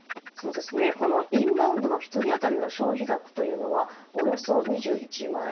このインバウンドの１人当たりの消費額というのはおよそ２１万円。